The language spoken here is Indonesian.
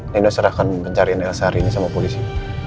nino serahkan mencarian elsa hari ini sama polisi